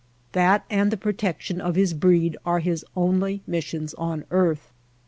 That and the protection of his breed are his only missions on earth.